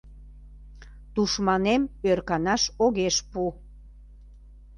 Тушманем öрканаш огеш пу.